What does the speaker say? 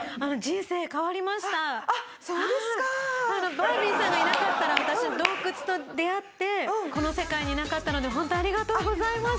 バービーさんがいなかったら私洞窟と出会ってこの世界にいなかったのでホントありがとうございます。